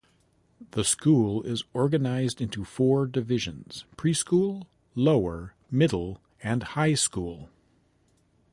The school is organized into four divisions: preschool, lower, middle and high school.